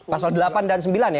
pasal delapan dan sembilan ya